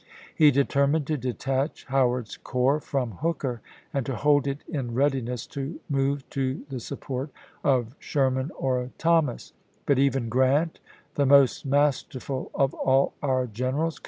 He determined to detach How ard's corps from Hooker, and to hold it in readiness to move to the support of Sherman or Thomas ; but even Grant, the most masterful of all our generals, R^p^rt.